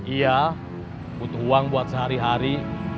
iya butuh uang buat sehari hari